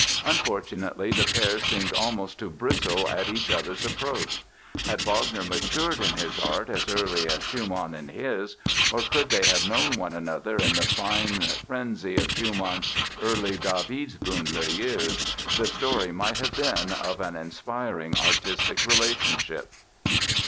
Unfortunately the pair seemed almost to bristle at each other's approach. Had Wagner matured in his art as early as Schumann in his, or could they have known one another in the fine frenzy of Schumann's early Davidsbündler days the story might have been of an inspiring artistic relationship.